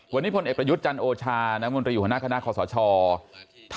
วันนี้ผลเอกประยุทธ์จันทร์โอชาตอบรับคำเชิญของภักดิ์พลังประชารัฐ